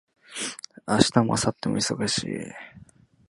明日も明後日も忙しい